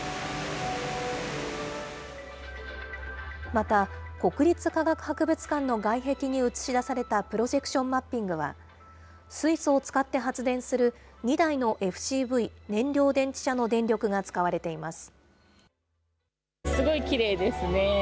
また、国立科学博物館の外壁に映し出されたプロジェクションマッピングは、水素を使って発電する２台のＦＣＶ・燃料電池車の電力が使われています。